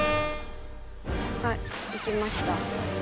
はい行きました。